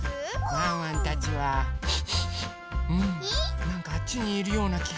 ワンワンたちはなんかあっちにいるようなきがする。